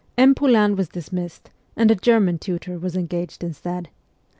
M. Poulain was dismissed, and a German tutor was engaged instead.